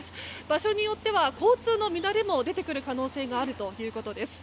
場所によっては交通の乱れも出てくる可能性があるということです。